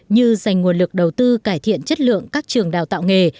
như dành nguồn lực đầu tư cải thiện chất lượng các trường đào tạo nghề